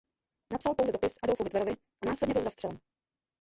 Napsal pouze dopis Adolfu Hitlerovi a následně byl zastřelen.